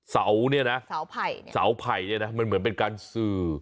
เสาเนี่ยนะเสาไผ่เนี่ยนะมันเหมือนเป็นการสื่อ